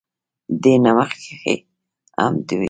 دې نه مخکښې هم دوي